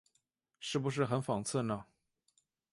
是不是很讽刺呢？